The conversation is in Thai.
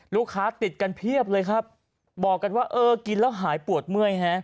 ลูกค้าติดกันเพียบเลยครับบอกกันว่าเออกินแล้วหายปวดเมื่อยฮะ